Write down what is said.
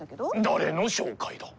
誰の紹介だ？